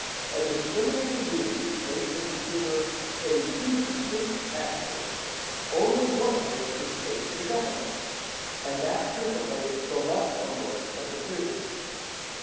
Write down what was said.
A discriminating duty makes the consumer pay two distinct taxes, only one of which is paid to the Government, and that frequently the less onerous of the two.